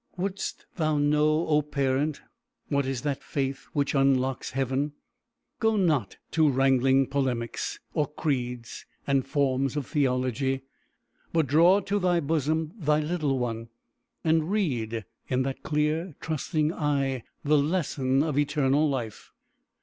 Wouldst thou know, O parent, what is that faith which unlocks heaven? Go not to wrangling polemics, or creeds and forms of theology, but draw to thy bosom thy little one, and read in that clear, trusting eye the lesson of eternal life.